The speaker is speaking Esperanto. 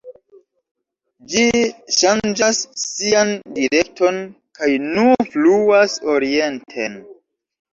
Ĝi ŝanĝas sian direkton kaj nu fluas orienten.